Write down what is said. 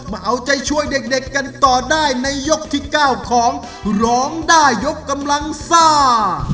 มาเอาใจช่วยเด็กกันต่อได้ในยกที่๙ของร้องได้ยกกำลังซ่า